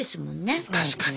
確かに。